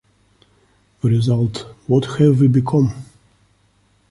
The result, What Have We Become?